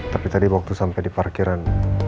tapi tadi waktu sampai di parkiran